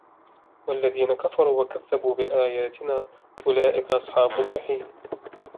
وَالَّذِينَ كَفَرُوا وَكَذَّبُوا بِآيَاتِنَا أُولَئِكَ أَصْحَابُ الْجَحِيمِ